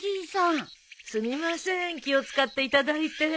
すみません気を使っていただいて。